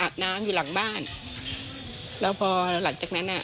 อาบน้ำอยู่หลังบ้านแล้วพอหลังจากนั้นอ่ะ